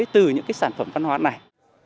từ những sản phẩm văn hóa này